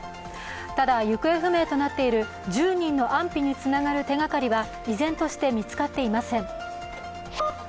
ただ行方不明となっている１０人の安否につながる手がかりは依然として見つかっていません。